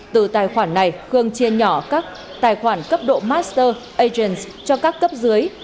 từ tài khoản này khương chia nhỏ các tài khoản cấp độ master asians cho các cấp dưới